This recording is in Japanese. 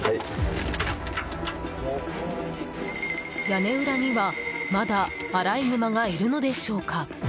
屋根裏には、まだアライグマがいるのでしょうか。